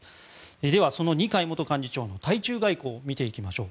ではその二階元幹事長の対中外交を見ていきましょう。